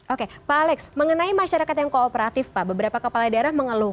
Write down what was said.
oke pak alex mengenai masyarakat yang kooperatif pak beberapa kepala daerah mengeluh